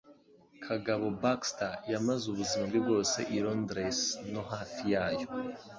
Kagabo Baxter yamaze ubuzima bwe bwose i Londres no hafi yayo